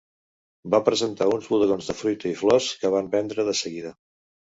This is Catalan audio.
Va presentar uns bodegons de fruita i flors que va vendre de seguida.